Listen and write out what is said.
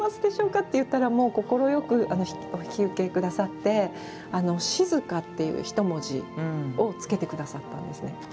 って言ったらもう、快くお引き受けくださって「静」っていう１文字をつけてくださったんです。